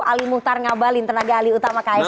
ali muhtar ngabalin tenaga ali utama ksb